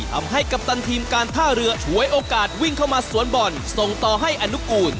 กัปตันทีมการท่าเรือฉวยโอกาสวิ่งเข้ามาสวนบอลส่งต่อให้อนุกูล